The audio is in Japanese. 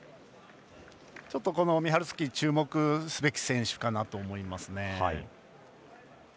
ミハルスキー注目すべき選手かなと思います。